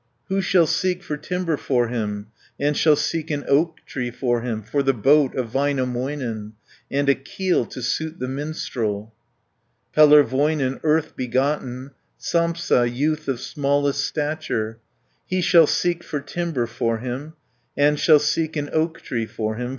Who shall seek for timber for him, And shall seek an oak tree for him, 10 For the boat of Väinämöinen, And a keel to suit the minstrel? Pellervoinen, earth begotten, Sampsa, youth of smallest stature, He shall seek for timber for him, And shall seek an oak tree for him.